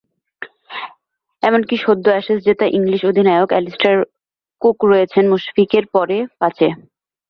এমনকি সদ্য অ্যাশেজ জেতা ইংলিশ অধিনায়ক অ্যালিস্টার কুক রয়েছেন মুশফিকের পরে, পাঁচে।